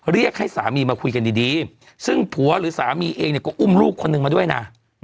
เรียกให้สามีมาคุยกันดีซึ่งผัวหรือสามีเองเนี่ยก็อุ้มลูกคนนึงมาด้วยนะ